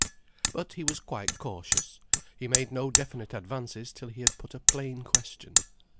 But he was quite cautious. He made no definite advances till he had put a plain question.